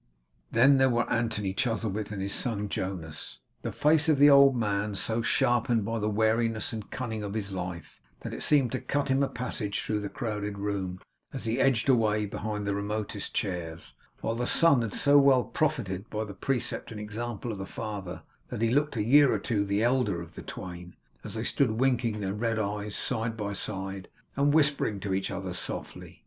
Then there were Anthony Chuzzlewit, and his son Jonas; the face of the old man so sharpened by the wariness and cunning of his life, that it seemed to cut him a passage through the crowded room, as he edged away behind the remotest chairs; while the son had so well profited by the precept and example of the father, that he looked a year or two the elder of the twain, as they stood winking their red eyes, side by side, and whispering to each other softly.